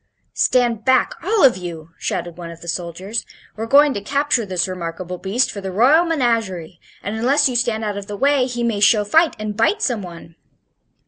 "Stand back, all of you!" shouted one of the soldiers. "We're going to capture this remarkable beast for the royal menagerie, and unless you stand out of the way he may show fight and bite some one."